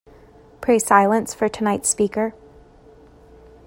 Pray silence for tonight’s speaker.